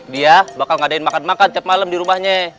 dia bakal ngadain makan makan tiap malam di rumahnya